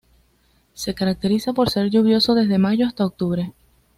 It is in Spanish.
Se caracteriza por ser lluvioso desde mayo hasta octubre.